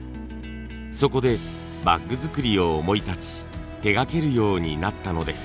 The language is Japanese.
そこでバッグ作りを思い立ち手がけるようになったのです。